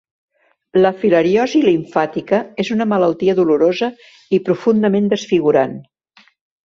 La filariosi limfàtica és una malaltia dolorosa i profundament desfigurant.